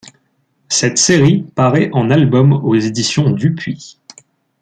Cette série paraît en albums aux éditions Dupuis.